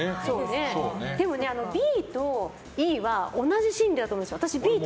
でもＢとＥは同じ心理だと思うんですよ。